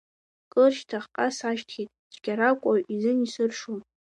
Кыр шьҭахьҟа сашьҭхьеит, цәгьарак уаҩ изын исыршом.